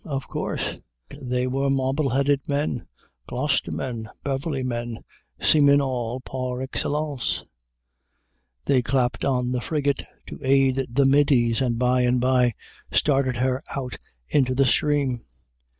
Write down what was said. Of course! They were Marbleheaded men, Gloucester men, Beverly men, seamen all, par excellence! They clapped on the frigate to aid the middies, and by and by started her out into the stream.